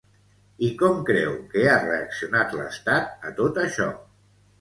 I com creu que ha reaccionat l'estat a tot això?